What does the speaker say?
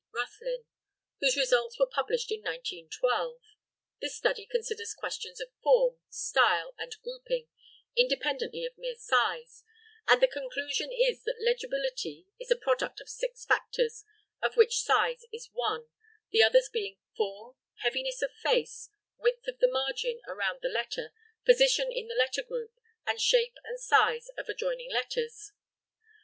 Roethlin, whose results were published in 1912. This study considers questions of form, style, and grouping, independently of mere size; and the conclusion is that legibility is a product of six factors, of which size is one, the others being form, heaviness of face, width of the margin around the letter, position in the letter group, and shape and size of adjoining letters.